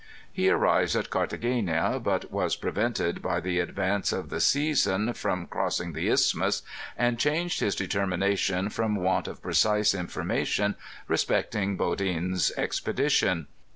He arrives at Car thagena, but was prevented by the advance of the season from crossing the Isthmus, and changed his determination from want of precise information respecting Baudin's expedition.